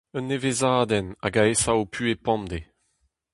Un nevezadenn hag a aesa ho puhez pemdez.